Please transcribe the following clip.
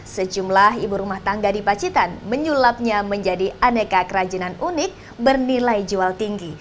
sejumlah ibu rumah tangga di pacitan menyulapnya menjadi aneka kerajinan unik bernilai jual tinggi